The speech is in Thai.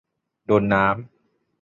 โดนน้ำ